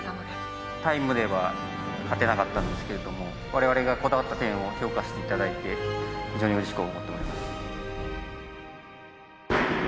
タイムでは勝てなかったんですけれども我々がこだわった点を評価して頂いて非常にうれしく思っております。